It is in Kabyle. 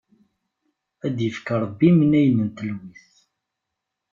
Ad d-ifk Ṛebbi imnayen n telwit!